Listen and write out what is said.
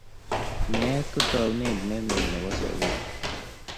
Meet ko taunetab ne lel nebo sobeet.